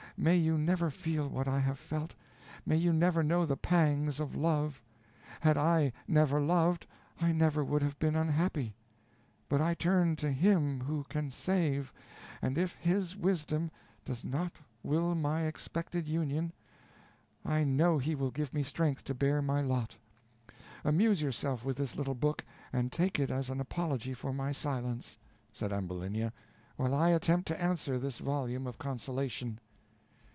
may you never feel what I have felt may you never know the pangs of love. Had I never loved, I never would have been unhappy; but I turn to Him who can save, and if His wisdom does not will my expected union, I know He will give me strength to bear my lot. Amuse yourself with this little book, and take it as an apology for my silence," said Ambulinia, "while I attempt to answer this volume of consolation."